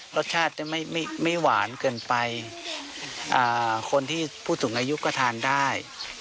รสชาติได้ไม่ไม่ไม่หวานเกินไปอ่าคนที่ผู้สูงอายุก็ทานได้